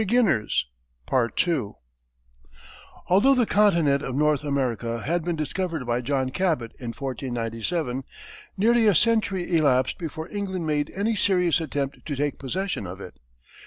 Although the continent of North America had been discovered by John Cabot in 1497, nearly a century elapsed before England made any serious attempt to take possession of it.